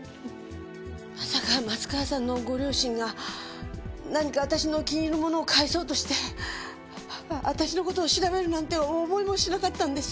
まさか松川さんのご両親が何か私の気に入るものを返そうとして私の事を調べるなんて思いもしなかったんです。